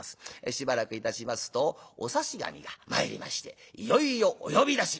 しばらくいたしますとお差し紙が参りましていよいよお呼び出し。